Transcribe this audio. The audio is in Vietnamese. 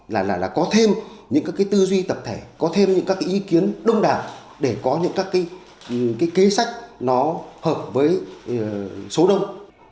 là có thêm những cái tư duy tập thể có thêm những cái ý kiến đông đảng để có những cái kế sách nó hợp với số đông